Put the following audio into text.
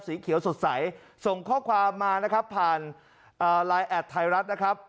สีเขียวสดใสส่งข้อความมานะครับผ่านไลน์แอดไทยรัฐนะครับ